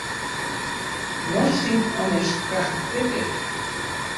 Nochtin onechkajtekej